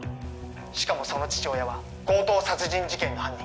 しかもその父親は強盗殺人事件の犯人